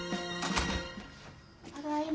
・ただいま。